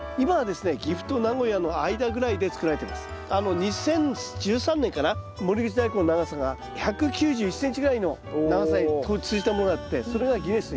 ２０１３年かな守口大根の長さが１９１ｃｍぐらいの長さにものがあってそれがギネスに。